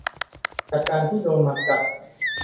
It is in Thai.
จากการที่โดนหมัดกัด